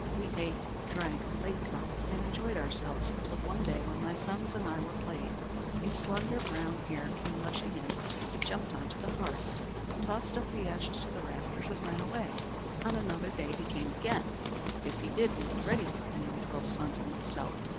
We ate, drank, played cards, and enjoyed ourselves, till one day, when my sons and I were playing, a slender brown hare came rushing in, jumped on to the hearth, tossed up the ashes to the rafters and ran away. "On another day he came again; but if he did, we were ready for him, my twelve sons and myself.